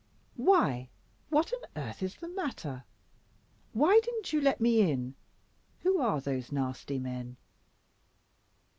"Why, what on earth is the matter? Why didn't you let me in? Who are those nasty men?"